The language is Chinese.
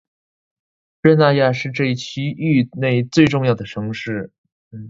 热那亚是这一区域内最重要的城市。